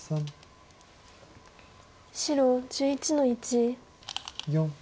白１１の一。